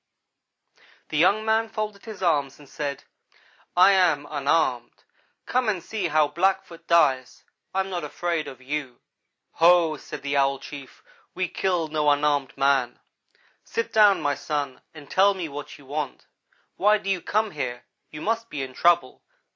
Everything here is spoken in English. "The young man folded his arms and said: 'I am unarmed come and see how a Blackfoot dies. I am not afraid of you.' "'Ho!' said the Owl chief, 'we kill no unarmed man. Sit down, my son, and tell me what you want. Why do you come here? You must be in trouble.